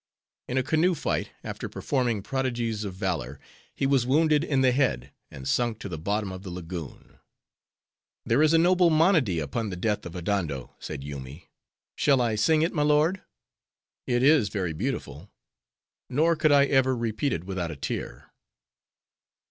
In a canoe fight, after performing prodigies of valor; he was wounded in the head, and sunk to the bottom of the lagoon. "There is a noble monody upon the death of Adondo," said Yoomy. "Shall I sing it, my lord? It. is very beautiful; nor could I ever repeat it without a tear."